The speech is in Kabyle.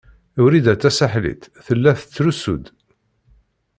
Wrida Tasaḥlit tella tettrusu-d.